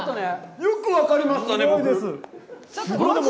よく分かりましたね、僕！